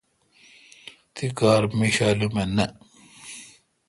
تی کار میشالم اؘ نہ۔